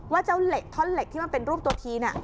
ว่าเจ้าเหล็กท่อนเหล็กที่มันเป็นรูปตัวทีน่ะ